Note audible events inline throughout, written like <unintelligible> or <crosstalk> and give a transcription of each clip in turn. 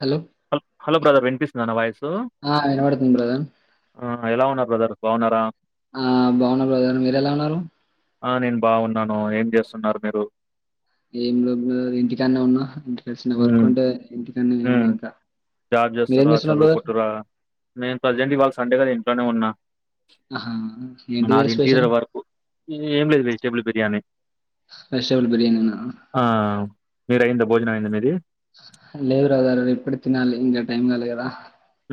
Hello హల్ hello brother విన్పిస్తుందా నా వాయిస్ ఆ వినపడుతుంది బ్రదన్ బావున్నారా ఆ బావున్నా బ్రదర్ మీరెలా ఉన్నారు ఆ నేను బావున్నాను ఏం చేస్తున్నారు మీరు ఏం లేదు బ్రదర్ ఇంటికాడనే ఉన్నా ఇంటి ఊ ఊ జాబ్ మీరేం చేస్తుర్రా చేస్తున్నారు బ్రదర్? చదువుకుంటుర్రా నేను ప్రజెంట్ ఇవాల్ సండే కదా ఇంట్లోనే ఉన్నా ఆహా! ఏంటి నాది ఇయాల స్పెషల్? ఇంటీరియర్ వర్ ఈకు ఏం లేదు వెజిటబుల్ బిర్యానీ వెజిటబుల్ బిర్యానీనా? ఆ మీదయ్యిందా భోజనం అయ్యిందా నీది లేదు రా <inaudible> ఇప్పుడు తినాలి ఇంకా టైం గాలేదు కదా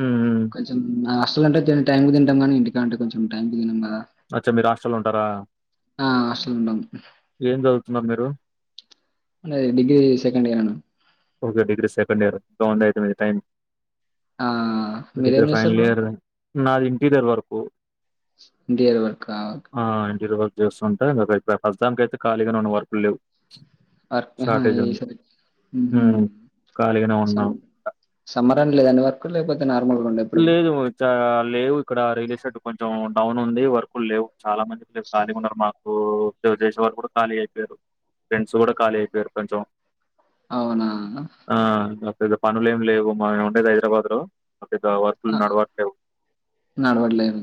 హ్మ్. హ్మ్. కొంచం హాస్టల్లో అంటే టైం తింటం కానీ ఇంటికాంటే కొంచం టైం తినం కా అచ్చా మీరు ఆస్టాల్లో ఉంటారా ఆ! హాస్టల్ ఉంటాం. ఏం చదువుతున్నారు మీరు మే డిగ్రీ సెకండ్ ఇయర్ అన ఓకే డిగ్రీ సెకండ్ ఇయర్ బాగుంద అయితే మీది టైమ్ ఆ! మీరేం ఒకే చేస్తారు final bro? Year feather work dare వర్కా చూస్తుంటయి ప్రస్తుతానికియితే ఖాళగానే ఉన్న వర్కు లేవు ఆర్ అహ షార్టేజ్ ఉంది. ఏశ మ్మ్ హ్మ్. ఖాళీగానే సమ్ ఉన్నాం. సమరం లేదు అని వరకు లేకపోతే నా లేదు మచ లేవు ఇక్కడ రియల్ ఎస్టేట్ కొంచెం డౌన్ ఉంది వర్కు లేవు చాలా మందికి ఖాళీ ఉన్నారు మాకు చేసే వారు కూడా ఖాళీ అయిపోయిరు ఫ్రెండ్స్ కూడా ఖాళీ అయిపోయిరు కొంచెం అవునా ఆ! ఇంక పెద్ద పనులు ఏం లేవు మనం ఉండేది హైదరాబాద్ లో అ పెద్ద వర్కులు ఆ, నడవట్లేవు నడవట్లేదు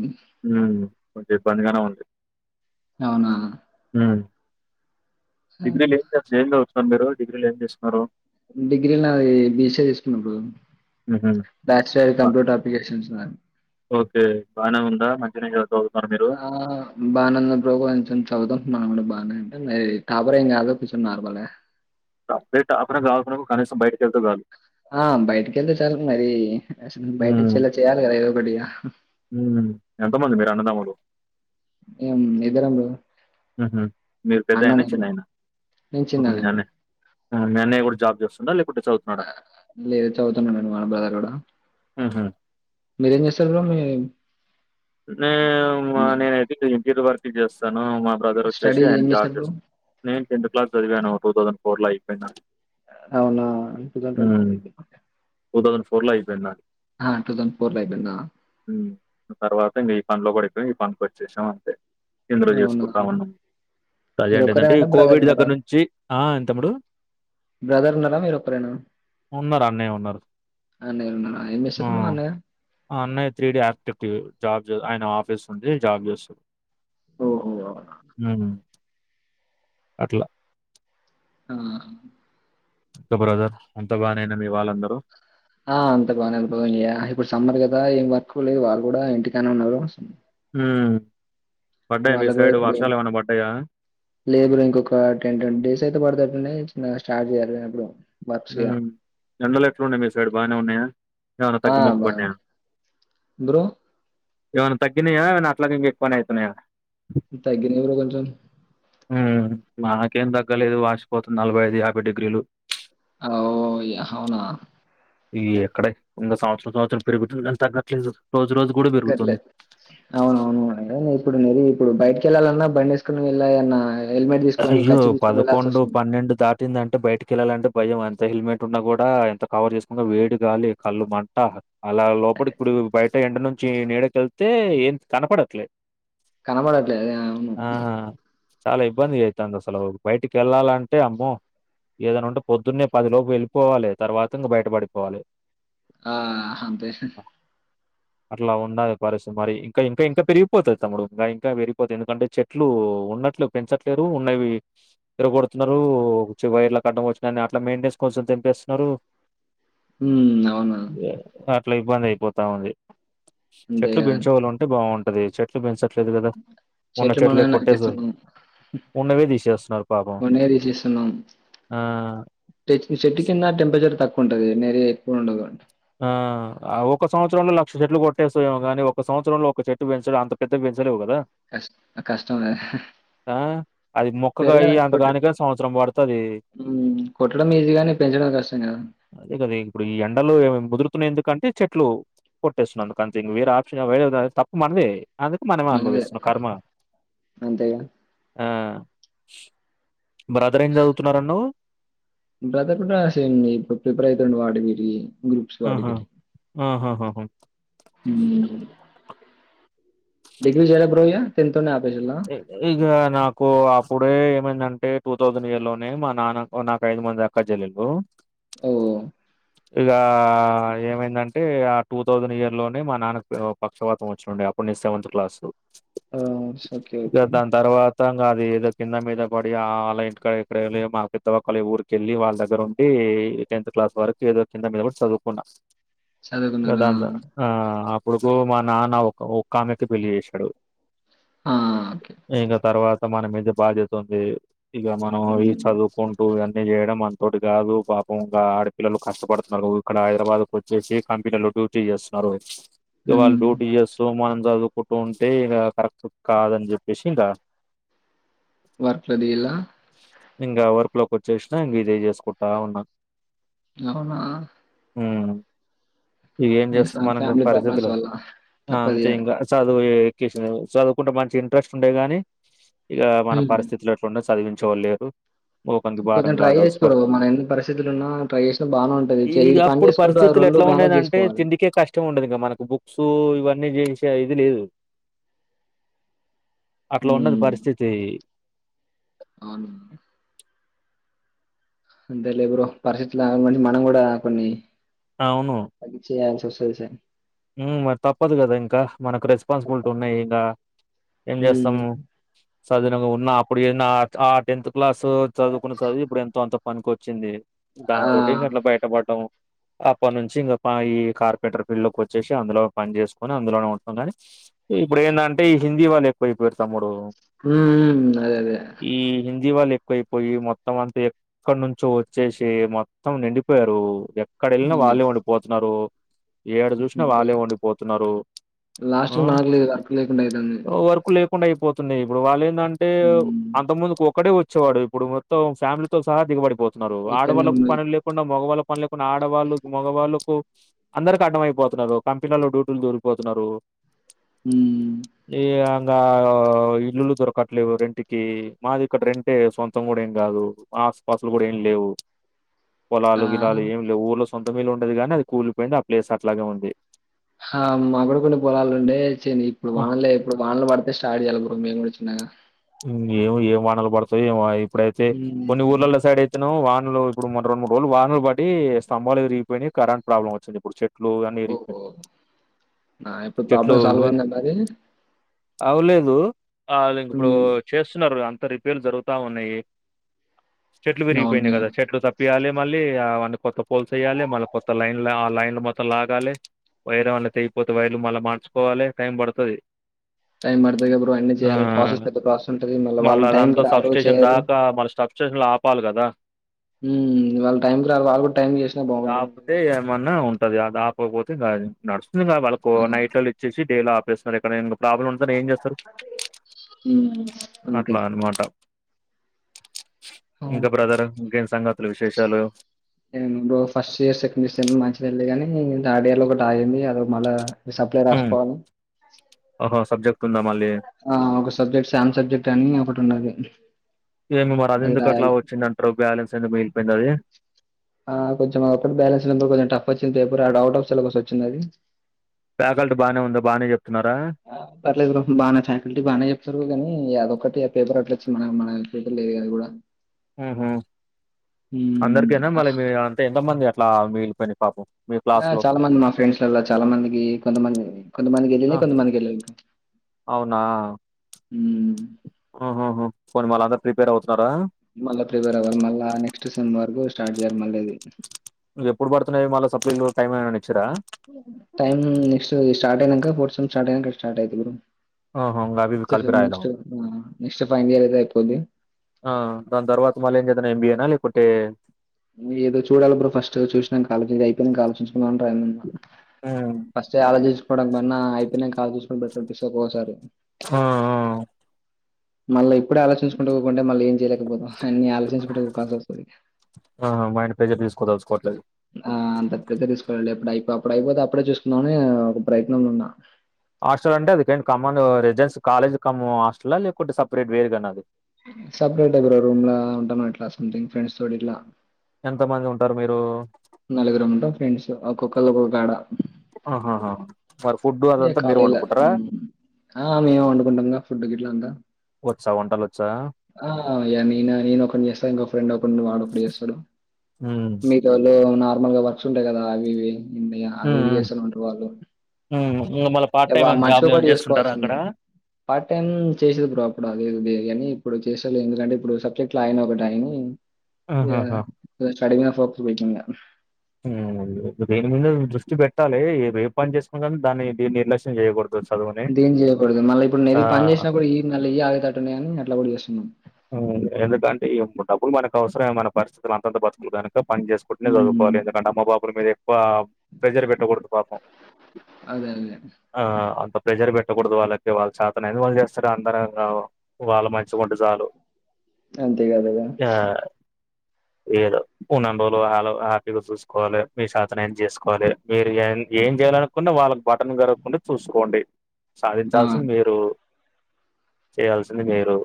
కొంచెం ఇబ్బందిగానే ఉంది అవునా హ్మ్మ్ ఆ, డిగ్రీ లేచర్స్ ఏం చదువుతూ తరు మీరు డిగ్రీలు ఏం చేస్తున్నారు డిగ్రీ నా బిసఏ తీసుకున్న బ్రో హుహు. బ్యాచలర్ ఆ! కంప్యూటర్ అప్లికేషన్స్ను ఓకే బాగానే ఉందా మంచిగానే జదుతవ్ ఆ బానుంది బ్రో కొంచెం చదుతాం మనం కూడా బా నేనంటే ఏ టాపర్ ఎం కాదు కొంచెం నార్మలే గ బే టాపర్ కాకపోయినా కనీసం బైటకెళ్తే చాలు ఆ బయటికెళ్తే చాలు మరి కనీసం బయటి చెల్లా చెయాల కదే కొద్దిగా హ్మ్మ్ ఎంతమంది మీరు అన్నదమ్ములు మేం ఇద్దరం బ్రో హ్మ్మ్ మీరు అన్న పెద్దయినా నేను చిన్నయినా నేను చిన్న ఒకే మీ నేను అన్నయ్ మీ అన్నయ్ కూడా జాబ్ చేస్తా డలే ఆ లేదు చదువుతున్నాడు మన బ్రదర్ కూడా హుహు. మీరేం చేస్తారు మీ నేమా నేనయితే ఇక వర్క్ చేస్తా తను మా బ్రదర్ వచ్చేసి స్టడీ ఏం ఆయన జాబ్ చేస్తారు బ్రో చేస్తాను నేను టెన్త్ క్లాస్ చదివేను టూ తౌసండ్ ఫోర్ లాయిపోయినా అవును టు తోసెండ్ ట్వంటీ ఫైవ్ ఏది అయిపోయింది నాది. ఆ టూ తోసెండ్ ఫోర్ లో అయిపోయిందా. హ్మ్. తర్వాత అండి పనులో పడితే పనికి వచ్చేసాం అంతే ఇందులో అవునా? చేసుకుంటా ఉన్నాం కళ్యాణ్ ఏంటంటే మీరొక్కరేనా బ్రదర్ కోవిడ్ దగ్గర ఉన్నారా? నుంచి ఆ ఎంతముడు బ్రదర్ ఉన్నారా మీరొక్కరేనా? ఉన్నారు అన్న ఏమన్నాడు అన్నయ్యలున్నారా? ఏం చేస్తారు ఇప్పుడు ఆన్నారు అన్నయ్య? అన్నయ్య త్రీ డే యాక్టివిటీ. జాబ్ ఆయన ఆఫీస్ ఉంది జాబ్ చేస్తారు ఓహో అవునా అట్లా ఆ ఇంక బ్రదర్ అంత బాగానేైనా మీ వాళ్ళందరూ ఆ అంత బాగానేంది బ్రో ఇప్పుడు సమ్మర్ కదా ఏం వర్క్ కూడా లేదు వాళ్ళ కూడా ఇంటికానే ఉన్నారు. ఉ వాళ్ళ కూడా ఇప్పుడు లేబర్ ఇంకొక టెన్ ట్వంటీ డేస్ అయితే పడుతటునై. స్టార్ట్ చేయలీ కదా బ్రో ఉ ఎండలు ఎట్లుఉన్నా మీ సైడ్ బాగానే ఉన్నాయా ఏమన్నా ఆ! తగ్గి బానే మక్కబడినాయా. బ్రో ఏమైనా తగీనాయావమనా అట్లా ఇం ఎక్కువ అవుతున్నాయా తగ్గిన బ్రో కొంచెం నాకేం తగ్గలేదు వాసిపోతుంది నలభై ఐదు యాభై డిగ్రీలు ఓ అవునా ఈ ఎక్కడే ఇం సంవత్రం సంవత్సరం పెరుగుతుంది కానీ తగ్గట్లేదు రోజు రోజు కూడా పెరుగుతుంది తగ్గట్లేదు అవునవును అవున ఇప్పుడు మరి ఇప్పుడు బయటకిెళ్ళాలన్నా బండిేసుకుొని వెళ్ళాయి అన్నా. అయ్యో పదకొండు పన్నెండు దాటిందంటే బయటకి కిిళ్లాలంటే భయం ఎంత హెల్మెట్ ఉన్నా కూడా ఎంత కవర్ చేసుకునా వేడి గాలి కళ్ళు మంట అలా లోపడీ ఇప్పుడు బయట ఎండ నుంచి నీడకెళ్తే ఏం కనపడట్లే. కనపడలే అవునను ఆ! చాలా ఇ ఇబ్బంది ఐతుంది అసలు బయటికి వెళ్ళాలంటే అమో ఏదనా ఉంటే పొద్దున్నే పది లోపు వెళ్ళిపోవాలి తర్వాత ఇంక బయట పడిపోవాలి. ఆ అంతే అట్లా ఉందధి పరిస్మ మరి ఇంకా ఇంకా ఇంకా పెరిగిపోతది తమ్ముడు ఇంకా పెరిగిపోతుంది ఎందుకంటే చెట్లు ఉన్నట్లు. పెంచట్లేరు ఉన్నవి విరగొడుతున్నారుచ్చ వైర్లా ఆడ్డం వచ్చిననీ అట్లా మెయింటెనెన్స్ కొంసం తెంపేస్తున్నారు. ఉ అవును ఇట్లా ఇబ్బంది అయిపోతా ఉంది అంతే చెట్లు కదండీ. పెంచేవలు ఉంటే బాఉం అదే చెట్ చూపించట్లేదు కదా ఉన్న చెట్లే కొట్టేసం ఉన్నయే తీసేస్తున్నమ్ ఆ చెట్టుకింద టెంప తక్కువ ఉంటది నేరి ఎక్కువుండదుండి ఆ ఒక సంవత్సరంలో లక్ష చెట్లు కొట్టేస్త మేమో కాని ఒక సంవత్సరంలో ఒక చెట్టు పెంచడం అంత పెద్దగా పెంచలేవు కదా దా కష్ కష్టం అది. అ అది మెుక్క పెరగాల కొట్ అంతదానికే సంవత్సరం పడుతది హ్మ్. కొట్టడం ఈజీ గానీ పెంచడం కష్టం కదా! అదే కదా ఇప్పుడు ఈ ఎండలు ప ఎందుకంటే చెట్లు కొట్టేస్తున్నందుకంతే ఇంగ వేరే ఆప్షన్ వేరే తప్పు మనదే అందుకు మనమే మనదే. అనుభవిస్తున్నాం కర్మ అంతేగా. ఆ బ్రదర్ ఏం చదువుతున్నారన్నవ్ బ్రదర్ కూడా సేమ్ ఇప్పుడు ప్రిపేర్ అవుతుండు వాడి వీరి ఆహా ఆహాహ అ హుమ్ దిగ్విజయరా బ్రో ఇగా ఇగ నాకు ఇప్పుడే ఏమైందంటే టూ థౌజండ్ ఇయర్ లోనే మా నాన్న నాకు ఐదు మంది అక్క చెల్లెలు ఓ ఇక ఏమైందంటే ఆ టూ థౌసండ్ ఇయర్ లోనే మా నాన్నకి పక్షపాతం వచ్చిండి అప్పుడు సెవెంత్ క్లాస్. ఆ ఓకే ఇక ఓకే దాని తరువాత. ఆ అది ఏదో కింద మీద పడి అళ్ళఇంటి కడా ఇక్కడ వెళ్ళి మా పెద్ద ఒక్కళ ఊరికి వెళ్లి వాళ్ళ దగ్గర ఉండి టెన్త్ క్లాస్ వరకు ఏదో కింద మీద పడి చదువుకున్న చదువుకున్నారా ఏదాంతా ఆ. ఇప్పుడుకు మా నాన్న ఒక ఒక్క ఆమెకి పెళ్లి చేసాడు. ఆ ఓకే ఇంగ తర్వా మాన మీదే బాధ్యత ఉంది. ఇగ మనం ఈ హ్మ్ చదువుకుంటు ఎం చేయడం అంతటి కాదు పాపం ఇక ఆడపిల్లలు కష్టపడుతున్నారు ఇక్కడ హైదరాబాద్ కు వచ్చేసి కంపెనీలు డ్యూటీ చేస్తున్నారు. ఇగవాల్ హ్మ్ డూటి చేస్సు మన్. చదువుకుట్టు ఉంటే ఇగ కరక్ట్. కాదన్ జెప్పేసి ఇంక వర్క్ లేదిలా ఇంగ వర్క్ లోకి వచ్చేస్న ఇంగ ఇదే చేసుకుంటా ఉన్న అవునా. ఉ ఇక ఏం ఎస్ చేస్తాం మనకి ఫ్యామిలీ ప్రాబ్లమ్స్ పరిస్థితులు వల్ల అంతే తప్పదిగ ఇంకా చదువు కేస్నవు. సరు కుంటే మంచి ఇంట్రెస్ట్ ఉండే గాని. ఇగ మన హ్మ్ పరిస్థితులు అట్లుండే చదివి చూడలేరు కొంచెం ట్రై చేసుకోరు మన ఎన్ని పరిస్థితులు ఉన్నా ట్రై చేసినా బాగానే ఉంటంది ఇగ ఇడు పని అప్పుడు చేసుకుంటూ అది పరిస్థితులు ఎట్లా రెండు మేనేజ్ చేసుకోవాలని. సో ఇవన్నీ చేయిసే ఇది లేదు. అట్ల ఉన్నది హ్మ్ పరిస్థితి. అవును అంతే లే బ్రో పరిచిత్లు ఆగంమని మనం కూడా కొన్ని. అవును. స్ సదు సె ఉమ్ మరి తప్పదు కదా ఇంకా మనకు రెస్పాన్సిబిలిటీ ఉన్నాయి ఇంకా ఏం హ్మ్ చేస్తాము. సధనంగా ఉన్నా అప్పుడు ఏదైనా ఆ టెన్త్ క్లాస్ సో చదువుకున్న చదువు ఇప్పుడు ఎంతో అంత. పనుకొచ్చింది. ఆ దాంతోటి అట్లా బయటపడ్డాము అప్ప నుంచి ఇంగ పాయి కార్పెంటర్ ఫీల్డ్ లోక్ వచ్చేసి అందులో పని చేసుకొని అందులోనే ఉంటాం కాని ఇప్పుడు ఏందంటే ఈ హిందీ వాళ్ళు ఎక్కువయిపోయారు తమ్ముడు హుమ్మ్ అదే అదే జీవాలు ఎక్కువైపోయి మొత్తం అంతా ఎక్కడ నుంచో వచ్చేసి మొత్తం నిండిపోయారు ఎక్ ఎక్కడ వెళ్ళిన అదే వాళ్ళే ఉండిపోతున్నారు ఏడాజూసిన అంతే వాళ్ళే ఉండిపోతున్నారు లాస్ట్ కి ఉమ్ మనకు లేదు వర్క్ లేకుండా అయితుంది వర్కు లే కుండా అయిపోతుంది ఇప్పుడు వాళ్ళే నంటే హ్మ్. అంత ముందుకు ఒకడే వ వచ్చే వాడు ఇప్పుడు మొత్తం ఫ్యామిలీ సహా దిగబడిపోతున్నారు ఇక్కడనే ఆడవాళ్ళకి ఉన్నది పని లేకుండా మగవాళ్ళ పనులకున్న ఆడవాళ్ళు మగవాళ్ళ అందరికి అడ్డమైపోత్ కంపెన్లో డ్యూటీలు తొలకపోతున్నారు ఉమ్ ఇంకా ఇల్లులు దొరకట్లేవు రెంట్కి మాది ఇక్కడ రెంటే సొంతం కూడా ఏం కాదు ఆస్తుపాస్తులు కూడా ఏమి లేవు పొలాలు ఆ! గిలాలు ఏమి లేవు ఊర్ల సు సొంతమిళ్ళు ఉండేది గాని అది కూలిపోయింది ఆ ప్లేస్ అట్లాగే ఉండి హ మాకుడా కొన్ని పొలాలుండే ఇప్పుడు వానలే ఇప్పుడు వానలు పడితే స్టార్ట్ చేయాల మేమ్ కూడా చిన్నగా ఇంగేమో ఏమి వానలు పడుతాయో ఎమో ఇప్పుడైతే హ్మ్. కొన్ని ఊర్లలో సైడ్ అయితే వా లో ఇప్పుడు మరీ రెండు మూడు రోజులు వానల పడి స్తంభాలు ఎరిగిపోయినాయ్ కరంట్ ప్రాబ్లం వచ్చంది ఇప్పుడు చే ఓహో నా ఎప్పుడు ప్రాబ్లమ్ సాల్వ్ అయింద మరి అవలేదు ఆ ఇప్పుడు హ్మ్. చేస్తున్నారు అ రిపేయర్లు జరురత ఉన్నాయి చెట్లు అవును. విరిగిపోయినాయి కదా చెట్లు తప్పియాలి మళ్ళీ ఇగ కొత్త పోల్స్ ఏయ్యాలి మళ్ళ కొత్త లైన్ ఆ లైన్లు మొత్తం లాగాలే వైర్లు ఏమైనా తెగిపోతే వైర్లు మళ్ళీ మార్చుకోవాలి టైం పడుతుంది టైం పడుతది కదా బ్రో ఇంగ చేయాలి ప్రాసెస్ పెద్ద ప్రాసెస్ ఉంటది. మళ్ళీ వాళ్ళు అదంత టైంకి సబ్ రారు, స్టేషన్ చేయరు. దాక మళ్ళీ సబ్ స్టేషన్ లో ఆ ప్పాల్ కదా ఉమ్ వాళ్ళు టైంకి రారు వాళ్ళు కూడా టైం చేసినా బాగుండు టది అది అపకపోతే అది నర్స్ <unintelligible> వాళ్ళకు ఆ! నైట్లలో ఇచ్చేసి డేలా ఆపేస్తున్నారు ఎక్కడ ఇంకా ప్రాబ్లమ్ ఉన్నతాన ఏం చేస్తారు ఉ అంతే అట్లా అనమాట ఇంకా అవును. బ్రదర్ ఇంకేం సంగతులు విశేషాలు నేను bro first year second year sem మంచిగ ఎళ్ళింది కానీ థర్డ్ ఇయర్ లో ఒకటి అగింది అదో మళ్ళా సప్లై ఉమ్ రాసుకోవాలి ఓహో సబ్జెక్ట్ ఉందా మ ఆ ఒక సబ్జెక్ట్ సామ్ సబ్జెక్ట్ అని ఒకటి ఉన్నది ఏమి మరి అది ఎందుకు అట్లా రాయాలి వచ్చిందంటారు బ్యాలెన్స్ ఎందుకు మిగిలిపోయింది అది ఆ కొంచెం అదొక్కటి బ్యాలన్స్ ఉంది బ్రో కొంచెం టఫ్ వచ్చింది ఆ డౌట్ ఆఫ్ సిలబస్ వచ్చింద అది ప్యాకల్ట్ బానే ఉందా బాగానే చెప్ పర్లేదు బ్రో బానే ఫ్యాకల్టీ బాగానే చెప్తారు కానీ అదొక్కటి పేపర్ అట్ల వచ్చి మన మన చేతుల్లో లేదు అది కూడా ఉహు హ్మ్. అందరికెనా ఆ! మళ్ళీ అంత ఎంత మంది లా మిగిలిపోయినయ్ పాపం మీ ఆ క్లాస్ లో చాలా మంది మా ఫ్రెండ్స్లలో చాలా మందికి కొంతమంది కొంతమందికి ఆ ఎల్లినయ్ కొంతమందికి ఎల్లలేవు అవునా ఊ పోని మళ్ళందరూ ప్రిపేర్ అవుతున్నారా మల్ల ప్రిపేర్ అవ్వాలి మల్ల నెక్స్ట్ సేమ్ వరకు స్టార్ట్ జె ఎప్పుడు పడుతున్నాయి మళ్ళ సప్లిలూ టైం ఎమన్నా టైమ్ నెక్స్ స్టార్ట్ అయినంక ఫోర్త్ సెమ్ స్టార్ట్ అయినంక స్టార్ట్ అయితుడు ఆహ అవి ఇవి కలిపి రాయలా, నెక్స్ట్ ఫైనల్ ఇయర్ అయితే అయిపోద్ది ఆ దాని తర్వాత మళ్ళీ ఏం చేద్ ఎంబిఎనా లే ఒటే ఏదో చూడాలి, బ్రో ఫస్ట్ చూసినాంక ఆలోచింఅయ్ యినంక ఆలోచించు. లాంగ్ టైనున ఉమ్ ఫస్టే ఆలోచించ్ ప్పడం బన్నా అయిపినాంక కాల్ చూసుకొని బెటర్ అన్పిస్సది ఒకోసారి ఆ ఆ మళ్ళా ఇప్పుడే ఆలోచించుకుంటా కూకుంటె మళ్ళీ ఏం చేయలేకపోతం. అన్ని ఆలోచించుకుంటా కుకోల్ వస్సది. ఆహా మైండ్ ప్రెజర్ తీసుకోదలుచుకోవట్లేదు ఆ అంత పెద్ద తీసుకోవాలె. డైప్ అప్పుడయిపోత అప్పుడె చూసుంకుందాం. అని ఒక ప్రయత్నం నున్న హాస్టల్ అంటే అది కైన్ కమ్మండ్ రెజెన్స్ కాలేజ్ కమ్ హాస్టల లేకుంటే సపరేట్ వేరుగానా అది సపరేటే బ్రో రూమ్లా ఉంటాం. అట్లా సంమ్థింగ్ ఫ్రెండ్స్ తో ఇట్లా ఎంతమంది ఉంటారు. మీరూ నలుగురుం ఉంటం, ఫ్రెండ్స్ ఒక్కొక్కల ఒకొక్క కాడ ఆహాహా మరి ఫుడ్ ఏ అదంతా మీరు కాలేజెలా హు వండుకుంటారా ఆ మేము వండుకుంటాంగా ఫుడ్ గిట్లాంతా స వంటలు వచ్చా ఆ య నేనా నేనొక్కడిని చేస్సా, ఇంకో ఫ్రెండ్ ఒకండు వాడొకడు చేస్సడు. ఉమ్ మిగతా వాళ్ళు నా నార్మల్ గా వర్క్స్ ఉంటాయ్. కదా అవి ఇవి మియ అవి ఇవి ఉమ్ చేస్సనుంటరు వాళ్ళు ఉమ్ ఉమ్ ఇంగ మళ్ళ పార్ట్ టైమ్ యవ ఏమన్న మనిషి జాబ్లు కూడా ఏమన్న చేస్తుంటారా అక్కడ చేసుకోవాల్సిందే, పార్ట్ టైం చేసది బ్రో అప్పుడు అది ఇది ఇప్పుడు చేసేదిలే ఎందుకంటే ఇప్పుడు సబ్జెక్ట్లు ఆయినాయ్ ఒకటి ఆయినయ్ య ఆహాహా చ్ కడిగిన పప్పు పెట్టింన ఉ దీని మీద దృష్టి పెట్టాలి. ఏ ఏ పని చేసుకున్న దాన్ని దీన్ని నిర్లక్ష్యం చేయకూడదు. చదువుని దిం చేయకూడదు మళ్ళా ఇప్పుడు మే ఆ బి పని చేస్నా కూడా ఈ మళ్ళీ ఈ ఆగేటట్ ఉన్నాయని అట్ల కూడా చేస్సున్నాం. ఇ అబ్ డబ్బులు మనకు అవసరమే మన పరిస్ ఇ అంతా బతుకులే కనుక పని చేసుకుంటేనే చదువ్ హ్మ్. అమ్మా బాపుల మీద ప ప్రెజర్ పెట్టకూడదు పాపం. అదే అదే ఆ అంత ప్రెజర్ పెట్టకూడదు. వాళ్ళకి వాళ్ళు చేతనైది వాళ్ళు చేస్సారా. అందరంగా వాళ్ళు మంచిగుంటె చాలు అంతేగదేగా ఆహ్, ఏదో ఉన్నన్నిరోజులు ఆలో మీకు చూసుకోవాలి మీకు చేతనైంది చేసుకోవాలి. మీరు ఏ ఏం చేయాలనుకున్నా వాళ్ళకి బర్డేన్ కలగ కుండా చూసుకోండి. ఆ! సాధించాల్సింది మీరు చేయాల్సింది మీరు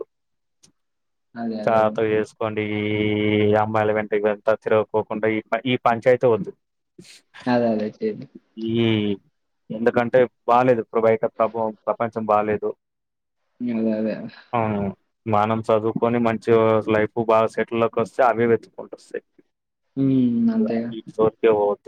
అదే అదే. చాతగా చేసుకోండి ఈ అమ్మాయిల వెంట ఇదంతా తిరగకుండా ఈ ఈ పంచాయతీ వద్దు అదే అదే చె ఈ ఎందుకంటే బాలేదు ఇప్పుడు బయట ప్రపంచం బాలేేదు అదే అదే మనం చదువుకొని, మంచిగ లైఫ్ బాగా సెటిల్ కి వస్తే, అవి వెతుకుంట వస్తాయి. హ్మ్ అంతేగా ఇ సోరిక పోవద్దు